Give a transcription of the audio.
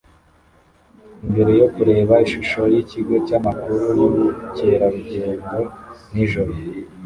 Imbere yo kureba ishusho yikigo cyamakuru yubukerarugendo nijoro